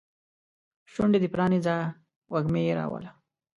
شونډې دې پرانیزه وږمې راوله